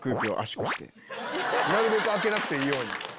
なるべく開けなくていいように。